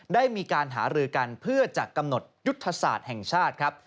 ได้มีการหารือกันเพื่อจะกำหนดยุทธศาสตร์แห่งชาติครับ